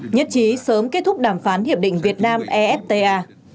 nhất trí sớm kết thúc đàm phán hiệp định việt nam efta